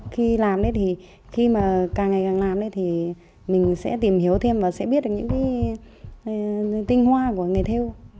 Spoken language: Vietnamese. khi làm khi càng ngày càng làm mình sẽ tìm hiểu thêm và sẽ biết được những tinh hoa của người theo